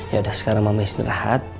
yaudah sekarang mama isteri rahat